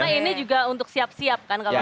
karena ini juga untuk siap siap kan kalau